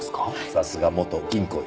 さすが元銀行員。